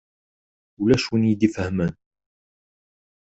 Ulac win i yi-d-ifehhmen.